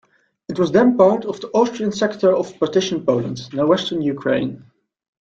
It was then part of the Austrian sector of Partitioned Poland, now Western Ukraine.